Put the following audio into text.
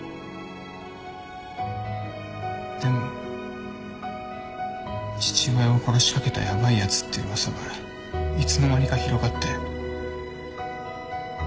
でも父親を殺しかけたヤバいやつって噂がいつの間にか広がって。